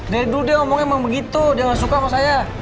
dari dulu dia ngomongnya emang begitu dia gak suka sama saya